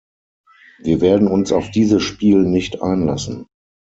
Wir werden uns auf dieses Spiel nicht einlassen.